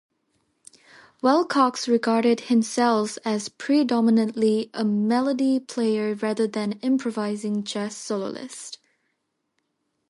Willcox regarded himself as predominantly a melody player rather than an improvising jazz soloist.